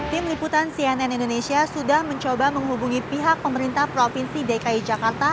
tim liputan cnn indonesia sudah mencoba menghubungi pihak pemerintah provinsi dki jakarta